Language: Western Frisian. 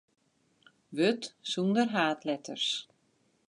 Wurd sonder haadletters.